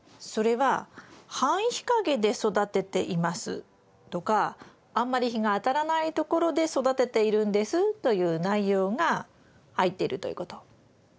それは「半日陰で育てています」とか「あんまり日が当たらないところで育てているんです」という内容が入っているということ。